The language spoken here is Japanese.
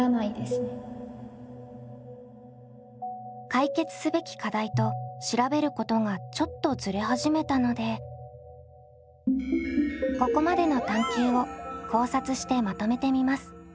解決すべき課題と調べることがちょっとずれ始めたのでここまでの探究を考察してまとめてみます。